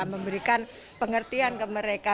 memberikan pengertian ke mereka